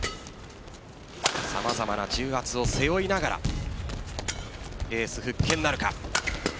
様々な重圧を背負いながらエース復権なるか。